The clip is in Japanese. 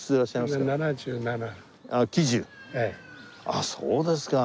あっそうですか。